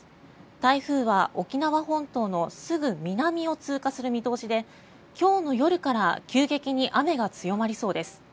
台風は沖縄本島のすぐ南を通過する見通しで今日の夜から急激に雨が強まりそうです。